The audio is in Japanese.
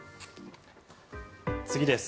次です。